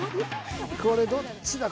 これどっちだ？